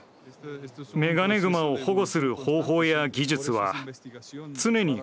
メガネグマを保護する方法や技術は常に改良されています。